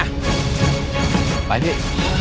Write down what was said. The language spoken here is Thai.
ยันหดสี่